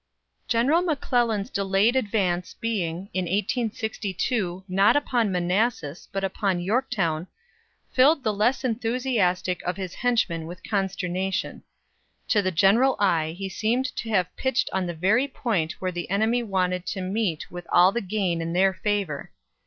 General McClellan's delayed advance being, in 1862, not upon Manassas, but on Yorktown, filled the less enthusiastic of his henchmen with consternation. To the general eye he seemed to have pitched on the very point where the enemy wanted to meet with all the gain in their favor.